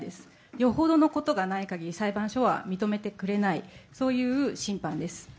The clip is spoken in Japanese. よほどのことがない限り、裁判所は認めてくれない、そういう審判です。